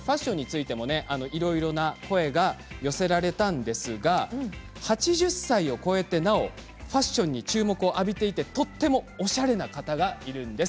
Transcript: いろいろな声が寄せられたんですが８０歳を超えてなおファッションに注目を浴びていてとてもおしゃれな方がいるんです。